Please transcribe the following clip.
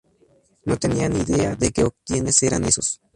No tenía ni idea de qué o quienes eran esos